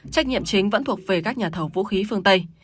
trách nhiệm chính vẫn thuộc về các nhà thầu vũ khí phương tây